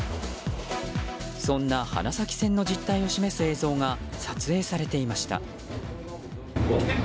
そんな花咲線の実態を示す映像が撮影されていました。